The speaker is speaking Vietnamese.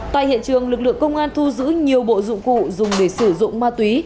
tại hiện trường lực lượng công an thu giữ nhiều bộ dụng cụ dùng để sử dụng ma túy